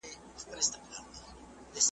دا محفل دی د رندانو دلته مه راوړه توبې دي .